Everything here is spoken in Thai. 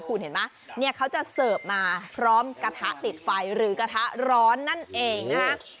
คุณเห็นไหมเนี่ยเขาจะเสิร์ฟมาพร้อมกระทะติดไฟหรือกระทะร้อนนั่นเองนะคะ